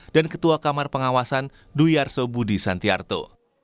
dan ketua kamar pengawasan duyarso budi santiarto